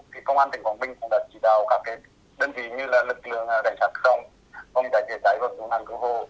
công an tỉnh quảng bình cũng đã chỉ đào các đơn vị như lực lượng đại sát sông công tác về giải vật công an cứu hồ